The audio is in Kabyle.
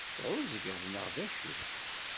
Teεεuẓgeḍ neɣ d acu?